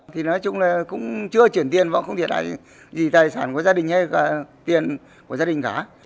thì nói chung là cũng chưa chuyển tiền và không thiệt hại gì tài sản của gia đình hay cả tiền của gia đình cả